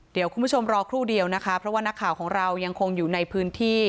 เดี๋ยวคุณผู้ชมรอครู่เดียวนะคะเพราะว่านักข่าวของเรายังคงอยู่ในพื้นที่